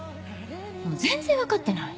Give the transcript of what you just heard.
全然分かってない。